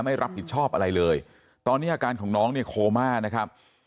ไม่รับผิดชอบอะไรเลยตอนนี้อาการของน้องเนี่ยโคม่านะครับ